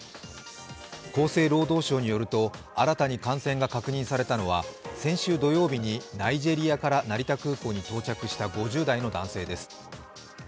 厚生労働省によると、新たに感染が確認されたのは先週土曜日にナイジェリアから成田空港に到着した５０代の男性です。